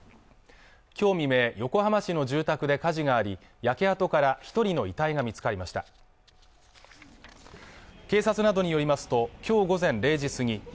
今日未明、横浜市の住宅で火事があり焼け跡から一人の遺体が見つかりました警察などによりますときょう午前０時過ぎ